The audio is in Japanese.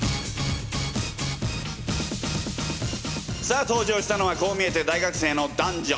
さあ登場したのはこう見えて大学生の男女。